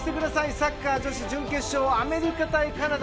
サッカー女子準決勝はアメリカ対カナダ。